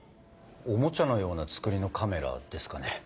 おもちゃのようなつくりのカメラですかね。